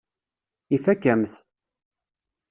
Ifakk-am-t.